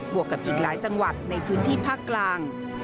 วกกับอีกหลายจังหวัดในพื้นที่ภาคกลาง